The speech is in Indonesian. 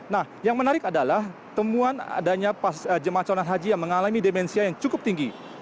nah yang menarik adalah temuan adanya jemaah calon haji yang mengalami demensia yang cukup tinggi